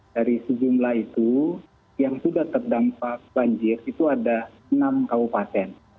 dari sejumlah itu yang sudah terdampak banjir itu ada enam kabupaten